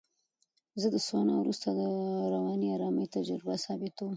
زه د سونا وروسته د رواني آرامۍ تجربه ثبتوم.